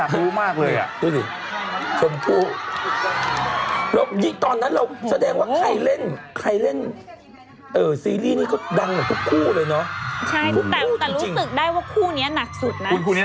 แต่ปั้นจั่นกับคริดก็พอกับนี้